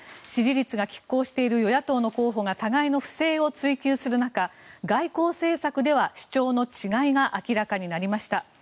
支持率がきっ抗している与野党候補が互いの不正を追及する中、外交政策では主張の違いが明らかになりました。